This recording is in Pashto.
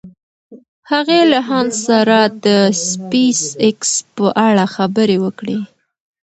هغې له هانس سره د سپېساېکس په اړه خبرې وکړې.